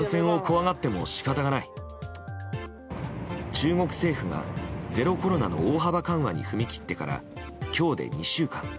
中国政府がゼロコロナの大幅緩和に踏み切ってから今日で２週間。